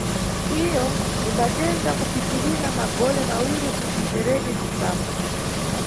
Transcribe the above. Iyo imbatenga kupitirira magole mawiri kuti ipereke bzisapo.